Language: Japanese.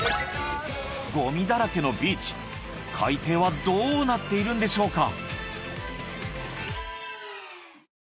ゴミだらけのビーチ海底はどうなっているんでしょうか！？